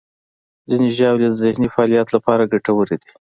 ځینې ژاولې د ذهني فعالیت لپاره ګټورې دي.